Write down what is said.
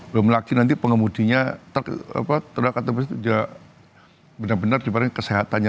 belum lagi nanti pengemudinya benar benar dipandang kesehatannya